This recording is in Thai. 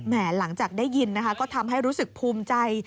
แหม่หลังจากได้ยินก็ทำให้รู้สึกภูมิใจ